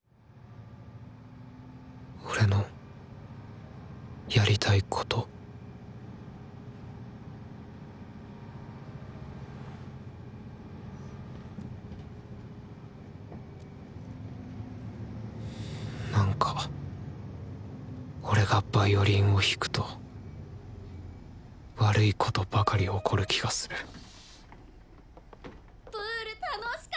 俺のやりたいことなんか俺がヴァイオリンを弾くと悪いことばかり起こる気がするプール楽しかった！